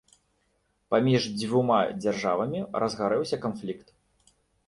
Паміж дзвюма дзяржавамі разгарэўся канфлікт.